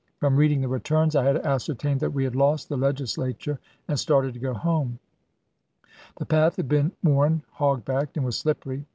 From reading the returns I had ascertained that we had lost the Legislature, and started to go home. The path had been worn hog backed and was slippery.